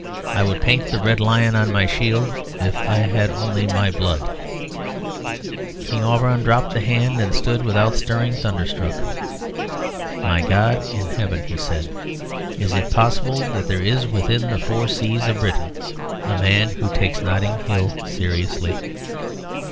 I would paint the Red Lion on my shield if I had only my blood." King Auberon dropped the hand and stood without stirring, thunderstruck. "My God in Heaven!" he said; "is it possible that there is within the four seas of Britain a man who takes Notting Hill seriously?"